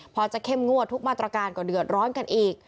พอจะเข้มงวดทุกมาตรการก็เดือดร้อนกันอีก